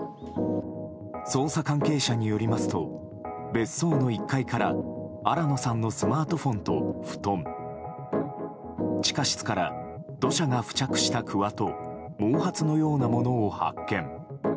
捜査関係者によりますと別荘の１階から新野さんのスマートフォンと布団地下室から土砂が付着したくわと毛髪のようなものを発見。